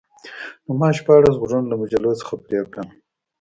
نو ما شپاړس غوږونه له مجلو څخه پرې کړل